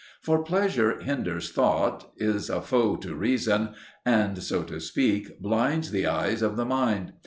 For pleasure hinders thought, is a foe to reason, and, so to speak, blinds the eyes of the mind.